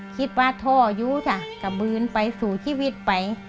คิดว่าโทยุค่ะกระบื้นไปสู่ชีวิตไป